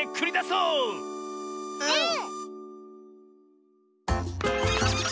うん！